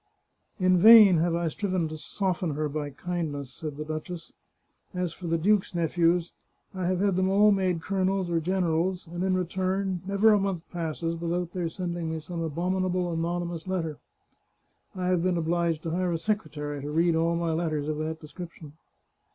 In vain have I striven to soften her by kindness," said the duchess. " As for the duke's nephews, I have had them all made colonels or generals, and in return, never a month passes without their sending me some abominable anony mous letter. I have been obliged to hire a secretary to read all my letters of that description."